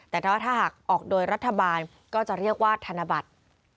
แต่ถ้าหากออกโดยรัฐบาลก็จะเรียกว่าธนบัตร